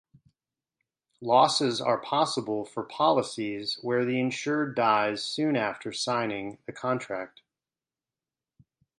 Losses are possible for policies where the insured dies soon after signing the contract.